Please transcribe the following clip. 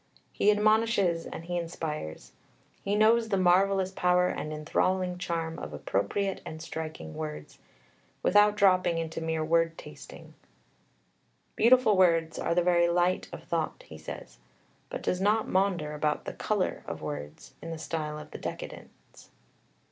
He admonishes and he inspires. He knows the "marvellous power and enthralling charm of appropriate and striking words" without dropping into mere word tasting. "Beautiful words are the very light of thought," he says, but does not maunder about the "colour" of words, in the style of the decadence.